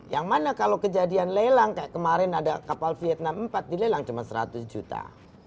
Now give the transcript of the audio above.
yang mana kalau kejadian lelang kayak kemarin ada kapal vietnam empat dilelang cuma seratus juta